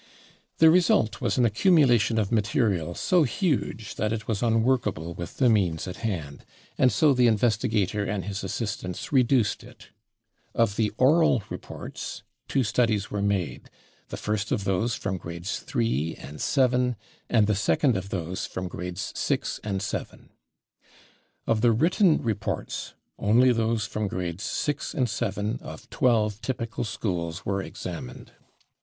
The result was an accumulation of material so huge that it was unworkable with the means at hand, and so the investigator and his assistants reduced it. Of the oral reports, two studies were made, the first of those from grades III and VII and the second of those from grades VI and VII. Of the written reports, only those from grades VI and VII of twelve typical schools were examined.